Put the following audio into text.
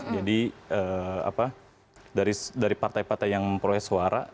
jadi dari partai partai yang memproyes suara